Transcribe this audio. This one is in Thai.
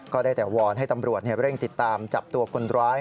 ก็ได้แต่วอนให้ตำรวจเร่งติดตามจับตัวคนร้าย